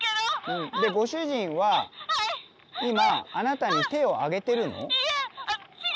でご主人は今あなたに手を上げてるの？